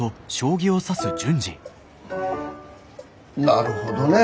なるほどね。